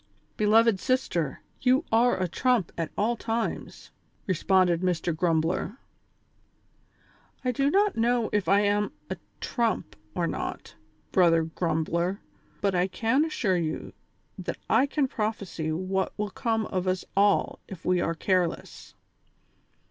'' Beloved sister, you are a trump at all times," responded Mr. Grumbler. " I do not know if I am a ' trump ' or not, Brother Grumbler ; but I can assure you that I can prophesy what will come of us all if we are careless.